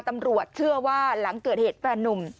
ตำรวจเชื่อว่าหลังเกิดเหตุแฟนนุ่ม